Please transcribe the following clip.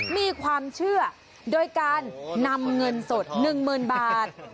มีความเชื่อโดยการนำเงินสด๑๐๐๐บาท